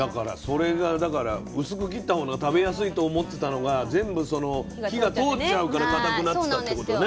だから薄く切ったほうが食べやすいと思ってたのが全部その火が通っちゃうからかたくなっちゃうってことね。